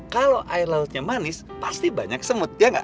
kalau air lautnya manis pasti banyak semut ya gak